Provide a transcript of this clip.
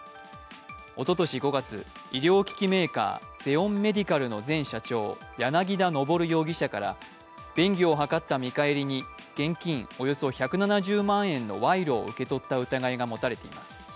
おととし５月、医療機器メーカーゼオンメディカルの前社長・柳田昇容疑者から便宜を図った見返りに現金およそ１７０万円の賄賂を受け取った疑いが持たれています。